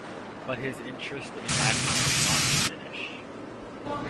But his interest in acting did not diminish.